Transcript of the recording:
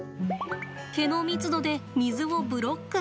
毛の密度で水をブロック。